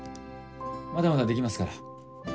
まだまだできますから。